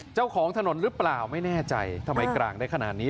เจ้าของถนนหรือเปล่าไม่แน่ใจทำไมกลางได้ขนาดนี้